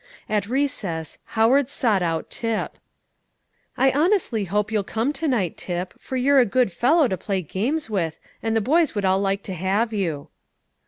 At recess Howard sought out Tip. "I honestly hope you'll come to night, Tip, for you're a good fellow to play games with, and the boys would all like to have you."